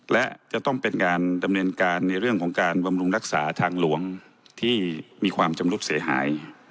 และจะต้องเป็นการดำเนินการในเรื่องของการบำรุงรักษาทางหลวงที่มีความชำรุดเสียหาย